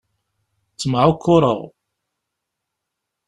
Ttemεukkureɣ.